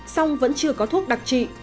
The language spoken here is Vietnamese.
sông vẫn chưa có thuốc đặc trị